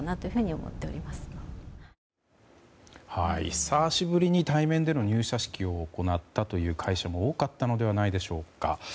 久しぶりに対面での入社式を行ったという会社が多かったのではないでしょうか。